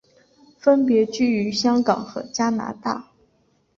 分别居于香港和加拿大。